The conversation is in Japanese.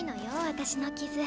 私の傷。